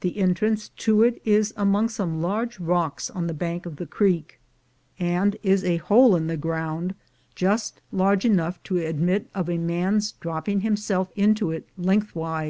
The entrance to it is among some large rocks on the bank of the creek, and is a hole in the ground just 292 THE GOLD HUNTERS large enough to admit of a man's dropping himself into it lengthways.